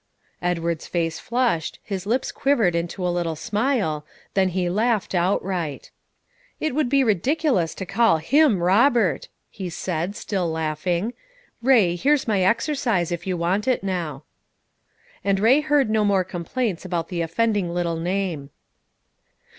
Edward's face flushed, his lips quivered into a little smile, then he laughed outright. "It would be ridiculous to call him Robert!" he said, still laughing. "Ray, here's my exercise, if you want it now." And Ray heard no more complaints about the offending little name.